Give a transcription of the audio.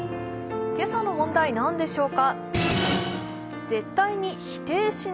今朝の問題、何でしょうか。